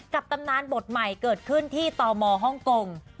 กับตำนานบทใหม่เกิดขึ้นที่ตอบมอร์ฮ่องกง